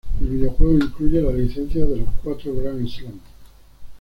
El videojuego incluye la licencia de los cuatro Grand Slam.